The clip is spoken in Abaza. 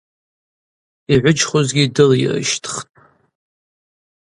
Йгӏвыджьхузгьи дылийрыщтхтӏ.